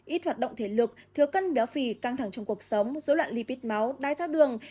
ít hoạt động thể lực thiếu cân béo phì căng thẳng trong cuộc sống dối loạn lipid máu đai thao đường